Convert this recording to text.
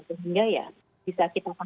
sehingga ya bisa kita pahami bahwa